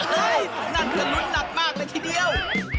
เฮ่ยนั่นก็รุ้นหนัดมากในทีเดียว